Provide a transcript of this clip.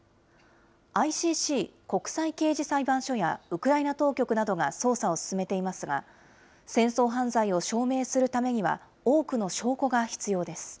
ＩＣＣ・国際刑事裁判所やウクライナ当局などが捜査を進めていますが、戦争犯罪を証明するためには多くの証拠が必要です。